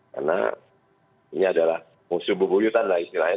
karena ini adalah musuh bubuyutan lah istilahnya